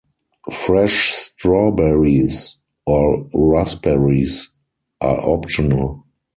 Fresh strawberries or raspberries are optional.